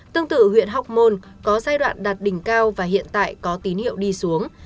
tương tự huyện học môn có giai đoạn đạt đỉnh cao và hiện tại có tín hiệu đi xuống